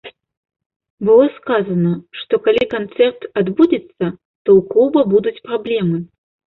Было сказана, што калі канцэрт адбудзецца, то ў клуба будуць праблемы.